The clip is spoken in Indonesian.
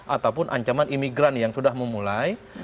ataupun ancaman imigran yang sudah memulai